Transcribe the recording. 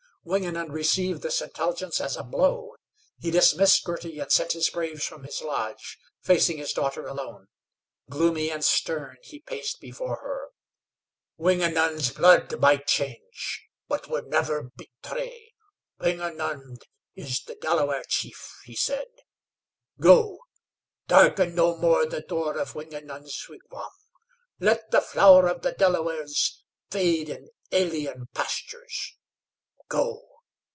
Wingenund received this intelligence as a blow. He dismissed Girty and sent his braves from his lodge, facing his daughter alone. Gloomy and stern, he paced before her. "Wingenund's blood might change, but would never betray. Wingenund is the Delaware chief," he said. "Go. Darken no more the door of Wingenund's wigwam. Let the flower of the Delawares fade in alien pastures. Go.